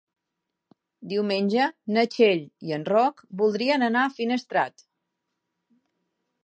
Diumenge na Txell i en Roc voldrien anar a Finestrat.